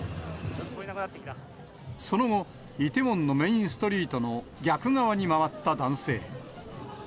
その後、イテウォンのメインストリートの逆側に回った男性。